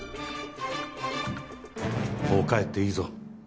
もう帰っていいぞ。